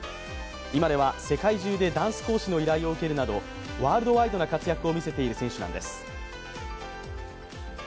今では、世界中でダンス講師の依頼を受けるなどワールドワイドな活躍を見せている選手なんです。